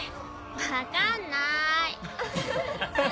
分かんなーい！